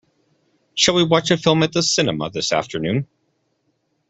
Shall we watch a film at the cinema this afternoon?